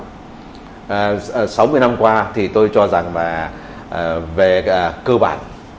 sáu mươi năm qua thì tôi cho rằng là về cơ bản